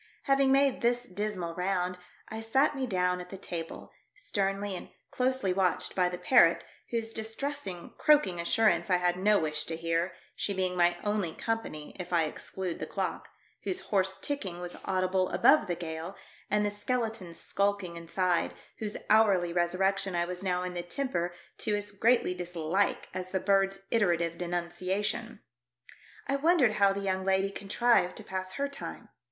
Having made this dismal round, I sat me down at the table, sternly and closely watched by the parrot, whose distressing, croaking assurance I had no wish to hear, she being my only company if I except the clock, whose hoarse ticking was audible above the gale, and the skeleton skulking inside, whose hourly resur rection I was now in the temper to as greatly dislike as the bird's iterative denunciation. I wondered how the young lady contrived to pass her time.